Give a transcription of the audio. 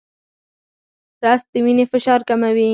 رس د وینې فشار کموي